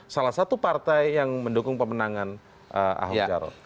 salah satu partai yang mendukung pemenangan ahok jarot